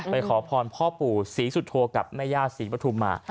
ไปขอพรพ่อปู่ศรีสุทโทกับแม่ญาติศรีปทุมมา